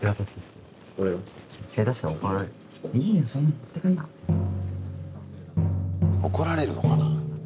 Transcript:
怒られるのかな？